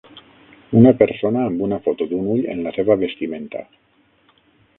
Una persona amb una foto d'un ull en la seva vestimenta.